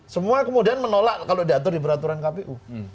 semua kemudian menolak kalau diatur di peraturan kpu